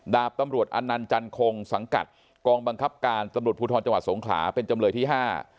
ดาบตำรวจอนันต์จันคงสังกัดกองบังคับการตำรวจภูทรจังหวัดสงขลาเป็นจำเลยที่ห้า